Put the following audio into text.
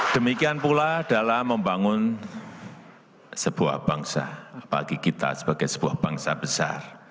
demikian pula dalam membangun sebuah bangsa bagi kita sebagai sebuah bangsa besar